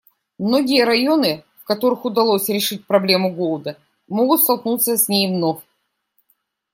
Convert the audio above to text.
Многие районы, в которых удалось решить проблему голода, могут столкнуться с ней вновь.